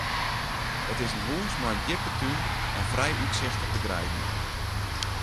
It is in hús mei in djippe tún en frij útsicht op de greiden.